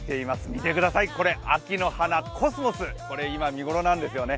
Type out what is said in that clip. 見てください、これ秋の花・コスモス、今、見頃なんですね。